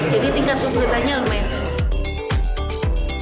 jadi tingkat kesulitannya lumayan tinggi